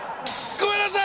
ごめんなさい。